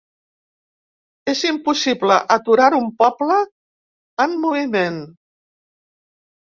És impossible aturar un poble en moviment.